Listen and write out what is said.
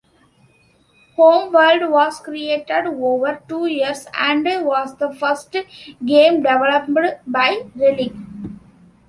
"Homeworld" was created over two years, and was the first game developed by Relic.